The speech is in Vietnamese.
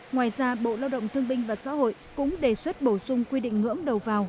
ngoài ra bộ lao động thương binh và xã hội cũng đề xuất bổ sung quy định ngưỡng đầu vào